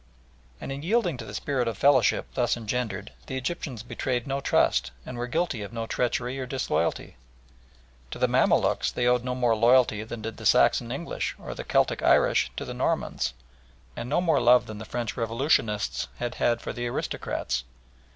And in yielding to the spirit of fellowship thus engendered the Egyptians betrayed no trust, and were guilty of no treachery or disloyalty. To the Mamaluks they owed no more loyalty than did the Saxon English or the Celtic Irish to the Normans, and no more love than the French revolutionists had had for the aristocrats.